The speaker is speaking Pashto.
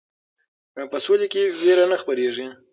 په سوله کې ویره نه خپریږي.